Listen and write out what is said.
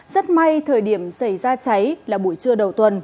rất may thời điểm xảy ra cháy là buổi trưa đầu tuần